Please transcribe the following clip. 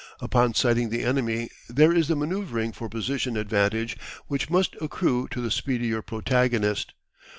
Upon sighting the enemy there is the manoeuvring for position advantage which must accrue to the speedier protagonist.